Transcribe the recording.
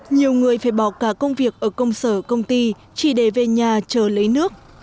nhiều người phải bỏ cả công việc ở công sở công ty chỉ để về nhà chờ lấy nước